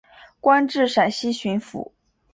官至陕西巡抚。